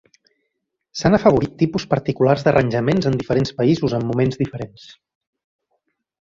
S'han afavorit tipus particulars d'arranjaments en diferents països en moments diferents.